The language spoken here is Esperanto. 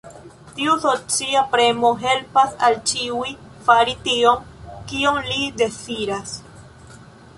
Tiu socia premo helpas al ĉiuj fari tion, kion li deziras.